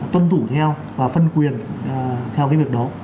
tuân thủ theo và phân quyền theo cái việc đó